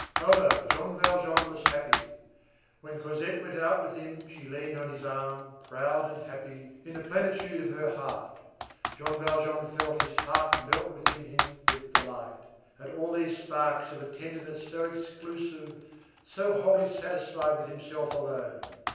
However, Jean Valjean was happy. When Cosette went out with him, she leaned on his arm, proud and happy, in the plenitude of her heart. Jean Valjean felt his heart melt within him with delight, at all these sparks of a tenderness so exclusive, so wholly satisfied with himself alone.